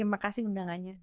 terima kasih undangannya